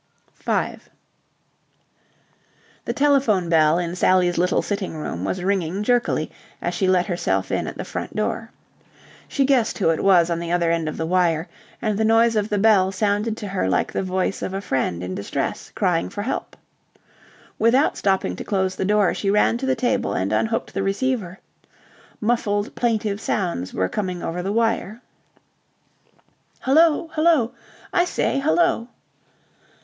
5 The telephone bell in Sally's little sitting room was ringing jerkily as she let herself in at the front door. She guessed who it was at the other end of the wire, and the noise of the bell sounded to her like the voice of a friend in distress crying for help. Without stopping to close the door, she ran to the table and unhooked the receiver. Muffled, plaintive sounds were coming over the wire. "Hullo... Hullo... I say... Hullo..."